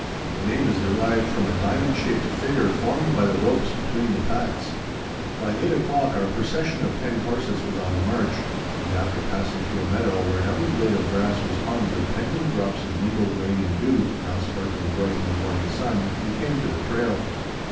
The name is derived from a diamond shaped figure formed by the ropes between the packs. [Illustration: PACKING THE BUCKSKIN.] By eight o'clock our procession of ten horses was on the march, and, after passing through a meadow where every blade of grass was hung with pendent drops of mingled rain and dew, now sparkling bright in the morning sun, we came to the trail.